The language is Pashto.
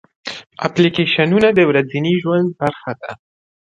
اپلیکیشنونه د ورځني ژوند برخه ده.